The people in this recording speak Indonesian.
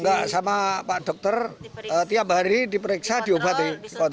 enggak sama pak dokter tiap hari diperiksa diobati